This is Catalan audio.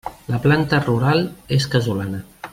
La planta rural és casolana.